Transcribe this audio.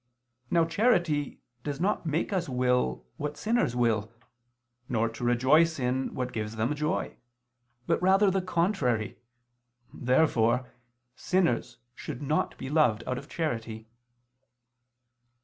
Now charity does not make us will what sinners will, nor to rejoice in what gives them joy, but rather the contrary. Therefore sinners should not be loved out of charity.